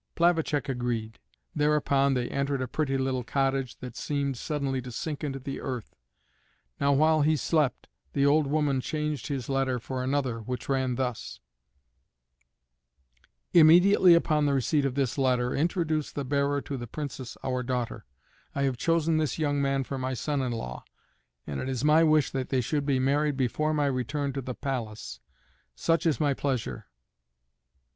Plavacek agreed. Thereupon they entered a pretty little cottage that seemed suddenly to sink into the earth. Now while he slept the old woman changed his letter for another, which ran thus: "Immediately upon the receipt of this letter introduce the bearer to the Princess our daughter, I have chosen this young man for my son in law, and it is my wish they should be married before my return to the palace. Such is my pleasure."